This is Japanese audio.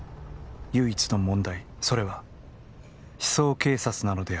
唯一の問題、それは思想警察なのである。